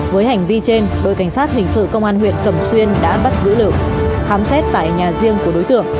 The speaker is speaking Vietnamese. với hành vi trên đội cảnh sát hình sự công an huyện cẩm xuyên đã bắt giữ lự khám xét tại nhà riêng của đối tượng